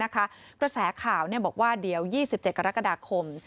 กระแสข่าวบอกว่าเดี๋ยว๒๗กรกฎาคม